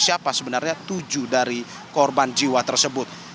siapa sebenarnya tujuh dari korban jiwa tersebut